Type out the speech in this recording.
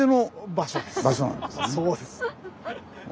そうです。